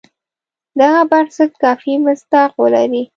دغه بنسټ کافي مصداق ولري.